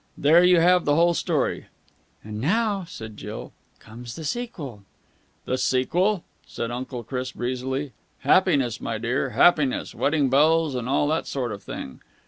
There you have the whole story!" "And now," said Jill, "comes the sequel!" "The sequel?" said Uncle Chris breezily. "Happiness, my dear, happiness! Wedding bells and and all that sort of thing!"